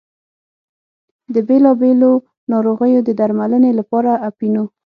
د بېلا بېلو ناروغیو د درملنې لپاره اپینو.